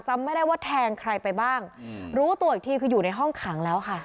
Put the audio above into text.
จำไม่ได้ว่าแทงใครไปบ้างรู้ตัวอีกทีคืออยู่ในห้องขังแล้วค่ะ